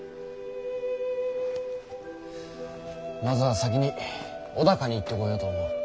まずは先に尾高に行ってこようと思う。